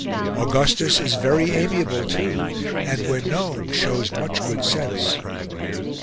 Augustus is very amiable, too, and, when known, shows much good sense."